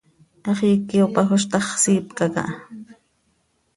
Hax iiqui pajoz ta x, siipca caha.